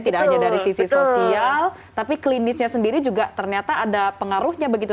tidak hanya dari sisi sosial tapi klinisnya sendiri juga ternyata ada pengaruhnya begitu